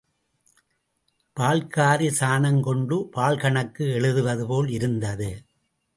பால்காரி சாணம் கொண்டு பால் கணக்கு எழுதுவது போல் இருந்தது.